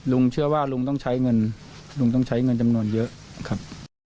ลุงเชื่อว่าลุงต้องใช้เงินลุงต้องใช้เงินจำนวนเยอะครับ